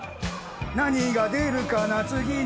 「何が出るかな次何」